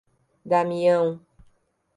Damião